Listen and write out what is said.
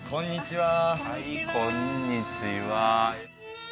はいこんにちは